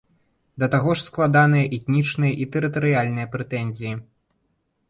Да таго ж складаныя этнічныя і тэрытарыяльныя прэтэнзіі.